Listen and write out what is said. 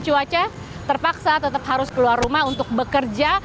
cuaca terpaksa tetap harus keluar rumah untuk bekerja